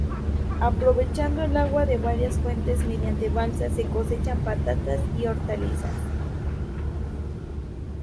Aprovechando el agua de varias fuentes mediante balsas se cosechan patatas y hortalizas.